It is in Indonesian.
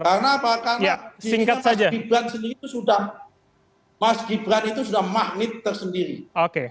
karena apa karena mas gibran itu sudah magnet tersendiri